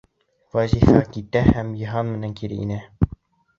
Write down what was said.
Вазифа китә һәм Йыһан менән кире инә.